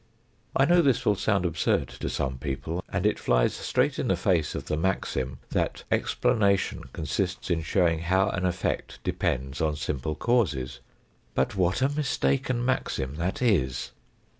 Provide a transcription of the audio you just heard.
I know this will sound absurd to some people, and it flies straight in the face of the maxim, that explanation consists in showing how an effect depends on simple causes. But what a mistaken maxim that is!